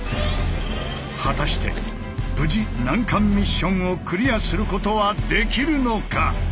果たして無事難関ミッションをクリアすることはできるのか？